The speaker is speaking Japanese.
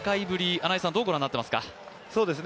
穴井さん、どうご覧になってますか？